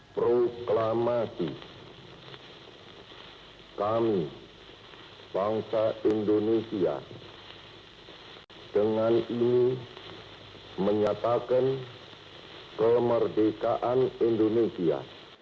proklamasi kami bangsa indonesia dengan ini menyatakan kemerdekaan indonesia